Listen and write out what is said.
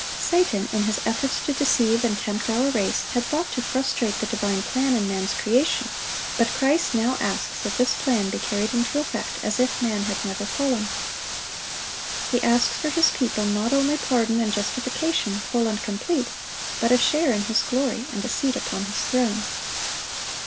(859) Satan, in his efforts to deceive and tempt our race, had thought to frustrate the divine plan in man's creation; but Christ now asks that this plan be carried into effect, as if man had never fallen. He asks for His people not only pardon and justification, full and complete, but a share in His glory and a seat upon His throne.